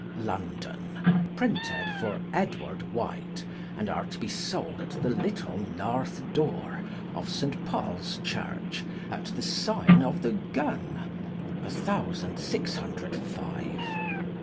London Printed for Edward White, and are to be solde at the little North doore of Saint Paules Church, at the signe of the Gunne, 1605.